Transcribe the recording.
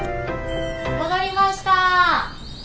・・戻りました。